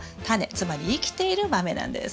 つまり生きている豆なんです。